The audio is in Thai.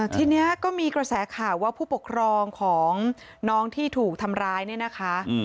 ทีนี้ก็มีกระแสข่าวว่าผู้ปกครองของน้องที่ถูกทำร้ายเนี่ยนะคะ